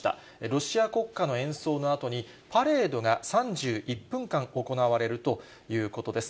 ロシア国歌の演奏のあとに、パレードが３１分間行われるということです。